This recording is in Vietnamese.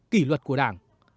kỷ luật của đảng